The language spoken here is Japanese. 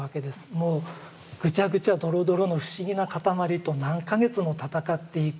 もうぐちゃぐちゃどろどろの不思議な塊と何か月も闘っていく。